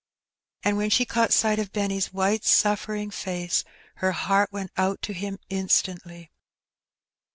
And when she caught sight of Benny's white suffering face, her heart went out to him instantly.